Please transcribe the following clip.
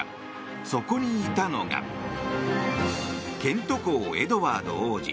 そこにいたのがケント公エドワード王子。